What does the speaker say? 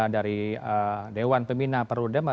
dari dewan pemina perudem